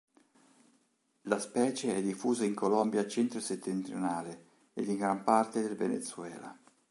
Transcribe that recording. La specie è diffusa in Colombia centro-settentrionale ed in gran parte del Venezuela.